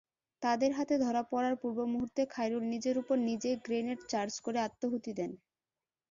তাদের হাতে ধরা পড়ার পূর্ব মুহূর্তে খায়রুল নিজের ওপর নিজেই গ্রেনেড চার্জ করে আত্মাহুতি দেন।